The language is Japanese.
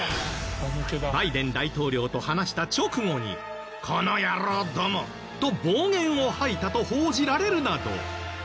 バイデン大統領と話した直後に「この野郎ども」と暴言を吐いたと報じられるなど。